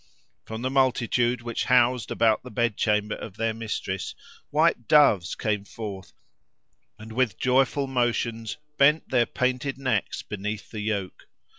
From the multitude which housed about the bed chamber of their mistress, white doves came forth, and with joyful motions bent their painted necks beneath the yoke.